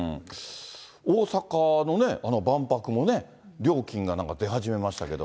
大阪の万博も料金がなんか出始めましたけど。